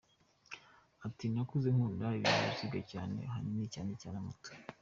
Ati “Nakuze nkunda ibinyabiziga cyane, ahanini cyane cyane moto.